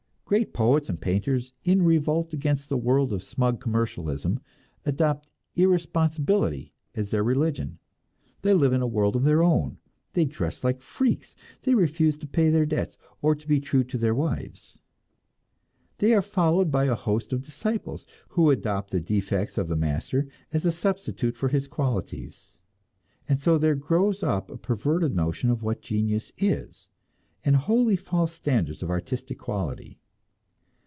Great poets and painters in revolt against a world of smug commercialism, adopt irresponsibility as their religion; they live in a world of their own, they dress like freaks, they refuse to pay their debts, or to be true to their wives. They are followed by a host of disciples, who adopt the defects of the master as a substitute for his qualities. And so there grows up a perverted notion of what genius is, and wholly false standards of artistic quality.